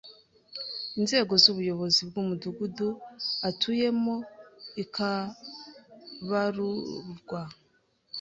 inzego z’ubuyobozi bw’umudugudu atuyemo ikabarurwa.